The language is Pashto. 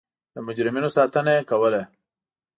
د مجرمینو ساتنه یې کوله.